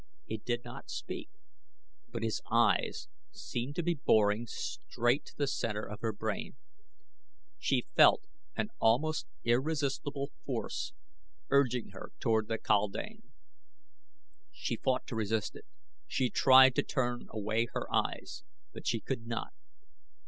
He did not speak, but his eyes seemed to be boring straight to the center of her brain. She felt an almost irresistible force urging her toward the kaldane. She fought to resist it; she tried to turn away her eyes, but she could not.